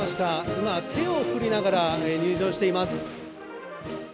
今、手を振りながら入場しています